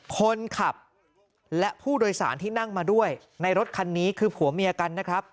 คนขับและผู้โดยสารที่นั่งมาด้วยในรถคันนี้คือผัวเมียกันนะครับ